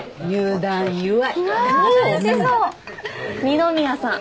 二ノ宮さん。